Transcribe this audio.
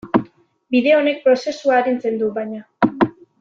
Bide honek prozesua arintzen du, baina.